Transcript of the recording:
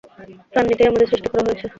প্রাণ নিতেই আমাদের সৃষ্টি করা হয়েছে।